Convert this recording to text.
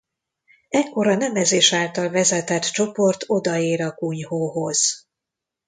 Ekkor a Nemezis által vezetett csoport odaér a kunyhóhoz.